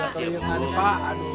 udah keringin kan pak aduh